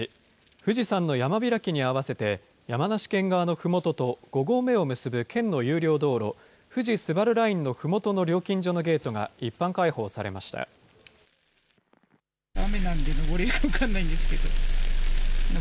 富士山の山開きに合わせて、山梨県側のふもとと５合目を結ぶ県の有料道路、富士スバルラインのふもとの料金所のゲートが一般開放されました。